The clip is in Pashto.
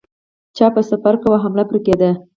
چا به سفر کاوه حمله پرې کېده.